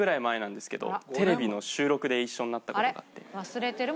忘れてる？